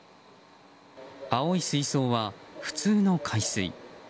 青い水槽は普通の海水。